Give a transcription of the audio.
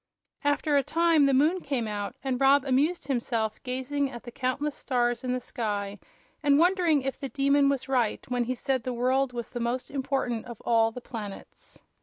After a time the moon came out, and Rob amused himself gazing at the countless stars in the sky and wondering if the Demon was right when he said the world was the most important of all the planets.